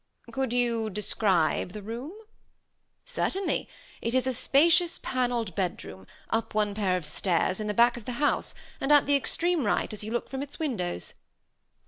"Could you describe that room?" "Certainly. It is a spacious, paneled bedroom, up one pair of stairs, in the back of the house, and at the extreme right, as you look from its windows."